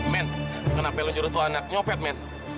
men kenapa lu nyuruh itu anak nyopet men